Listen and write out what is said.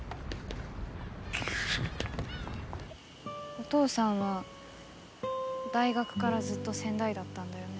お父さんは大学からずっと仙台だったんだよね？